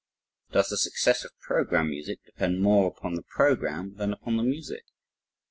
Does the success of program music depend more upon the program than upon the music?